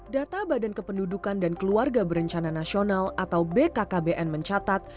data badan kependudukan dan keluarga berencana nasional atau bkkbn mencatat